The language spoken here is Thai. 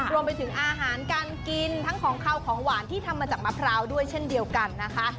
รวมไปถึงอาหารการกินทั้งของขาวของหวานที่ทำมาจากมะพร้าวด้วยเช่นเดียวกันนะคะ